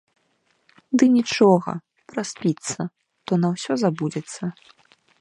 Ды нічога, праспіцца, то на ўсё забудзецца.